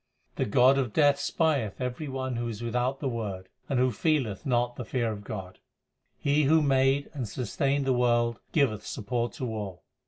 The god of death spieth every one who is without the Word, and who feeleth not the fear of God. He who made and sustained the world giveth support to all.